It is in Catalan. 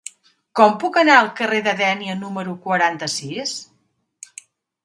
Com puc anar al carrer de Dénia número quaranta-sis?